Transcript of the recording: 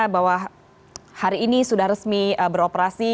bahwa hari ini sudah resmi beroperasi